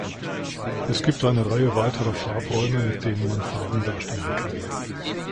Es gibt eine Reihe weiterer Farbräume mit denen man Farben darstellen kann.